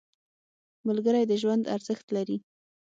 • ملګری د ژوند ارزښت لري.